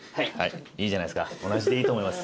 いいじゃないですか同じでいいと思います。